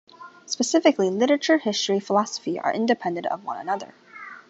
Specifically, literature, history, philosophy are independent of one another.